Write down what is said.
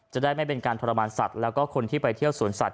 จะได้ไม่เป็นการทรมานสัตว์แล้วก็คนที่ไปเที่ยวสวนสัต